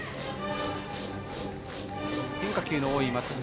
変化球の多い松藤。